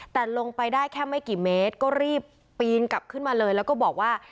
แต่ลงไปได้แค่ไม่กี่เมตรก็รีบปีนกลับขึ้นมาเลยแล้วก็บอกว่า